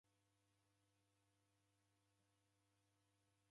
Nasirilwa ni maghesho